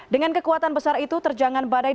dengan kekuatan besar itu terjangan badai